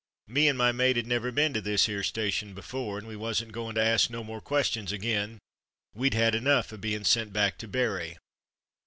Me and my mate 'ad never been to this 'ere station before, and we wasn't goin' to ask no more questions again; we'd 'ad enough o' being sent back to Bury.